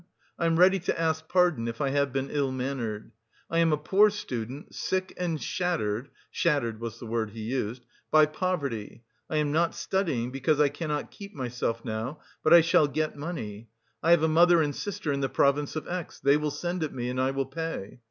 I am ready to ask pardon, if I have been ill mannered. I am a poor student, sick and shattered (shattered was the word he used) by poverty. I am not studying, because I cannot keep myself now, but I shall get money.... I have a mother and sister in the province of X. They will send it to me, and I will pay.